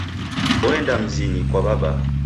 Oenda mzinyi kwa w'abaa.